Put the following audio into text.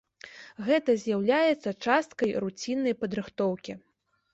Гэта з'яўляецца часткай руціннай падрыхтоўкі.